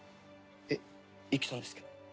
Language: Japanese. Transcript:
えっ一輝さんですけど。